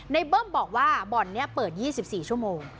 เบิ้มบอกว่าบ่อนนี้เปิด๒๔ชั่วโมง